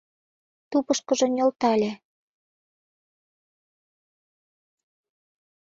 Тупышкыжо нӧлтале.